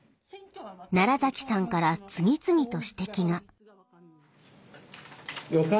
奈良さんから次々と指摘が。